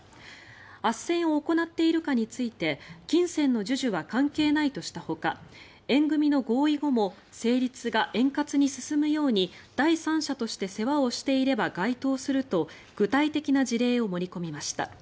あっせんを行っているかについて金銭の授受は関係ないとしたほか縁組の合意後も成立が円滑に進むように第三者として世話をしていれば該当すると具体的な事例を盛り込みました。